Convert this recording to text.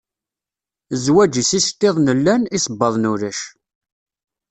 Zwaǧ-is iceṭṭiḍen llan, isebbaḍen ulac.